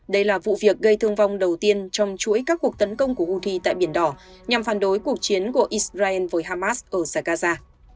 đây là vụ việc gây thương vong đầu tiên trong chuỗi các cuộc tấn công của houthi tại biển đỏ nhằm phản đối cuộc chiến của israel với hamas ở giải gaza